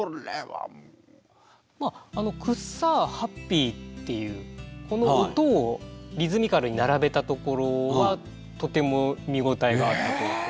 まあ「くっさー」「ハッピー」っていうこの音をリズミカルに並べたところはとても見応えがあるところだと思うんですけど。